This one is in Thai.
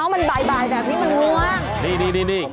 มันบายแบบนี้มันหว้าง